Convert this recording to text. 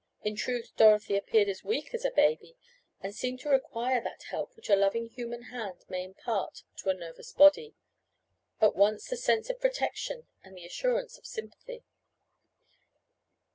In truth Dorothy appeared as weak as a baby, and seemed to require that help which a loving human hand may impart to a nervous body, at once the sense of protection and the assurance of sympathy.